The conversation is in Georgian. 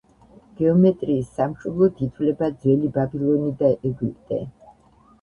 გეომეტრიის სამშობლოდ ითვლება ძველი ბაბილონი და ეგვიპტე.